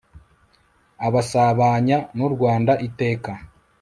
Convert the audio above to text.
abasabanya n'u rwanda iteka